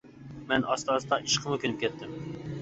مەن ئاستا-ئاستا ئىشقىمۇ كۆنۈپ كەتتىم.